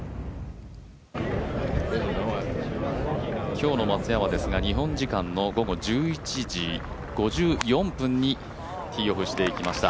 今日の松山ですが日本時間の午後１１時５４分にティーオフしていきました。